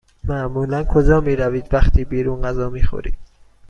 معمولا کجا می روید وقتی بیرون غذا می خورید؟